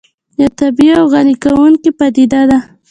یو طبیعي او غني کوونکې پدیده ده